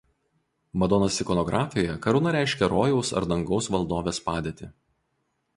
Madonos ikonografijoje karūna reiškia Rojaus ar dangaus valdovės padėtį.